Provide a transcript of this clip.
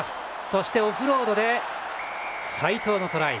そして、オフロードで齋藤のトライ。